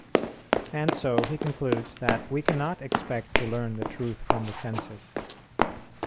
And so he concludes that we cannot expect to learn the truth from the senses.